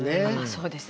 そうですね